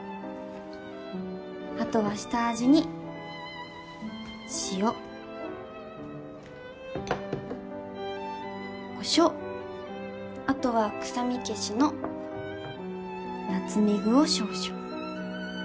あとは下味に塩こしょうあとは臭み消しのナツメグを少々。